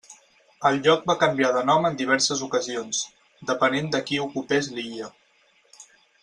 El lloc va canviar de nom en diverses ocasions, depenent de qui ocupés l'illa.